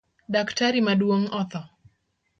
Daktari maduong otho